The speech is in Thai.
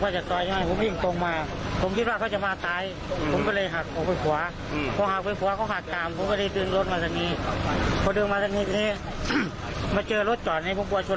จังหรือเปล่า